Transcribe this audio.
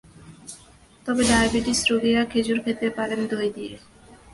তবে ডায়াবেটিস রোগীরা খেজুর খেতে পারেন দই দিয়ে।